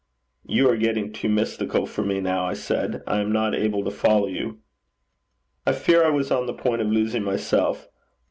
'You are getting too mystical for me now,' I said. 'I am not able to follow you.' 'I fear I was on the point of losing myself.